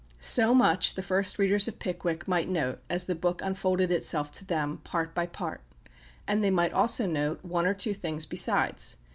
So much the first readers of "Pickwick" might note as the book unfolded itself to them, part by part; and they might also note one or two things besides.